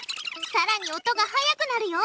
さらに音が速くなるよ！